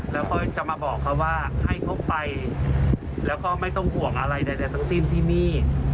แล้วก็จะมาบอกเขาว่าให้เขาไปแล้วก็ไม่ต้องห่วงอะไรใดทั้งสิ้นที่นี่